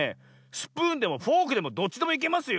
スプーンでもフォークでもどっちでもいけますよ。